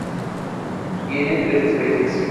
Tiene tres especies.